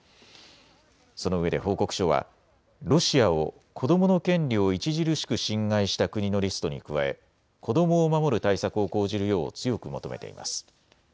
そのうえで報告書はロシアを子どもの権利を著しく侵害した国のリストに加え子どもを守る対策を講じるよう強く求めています。